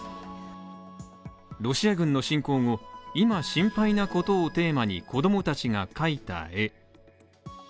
ロシア軍の侵攻後、今心配なことをテーマに子供たちが描いた絵。